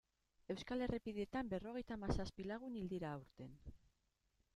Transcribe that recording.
Euskal errepideetan berrogeita hamazazpi lagun hil dira aurten.